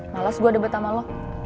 malas gue debet sama lo